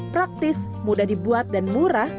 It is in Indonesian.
praktis mudah dibuat dan murah